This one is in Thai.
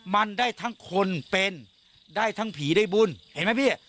มันได้ทั้งคนเป็นได้ทั้งผีได้บุญเห็นไหมพี่